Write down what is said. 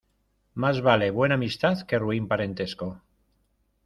Más vale buena amistad que ruin parentesco.